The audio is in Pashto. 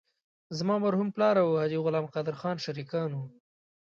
زما مرحوم پلار او حاجي غلام قادر خان شریکان وو.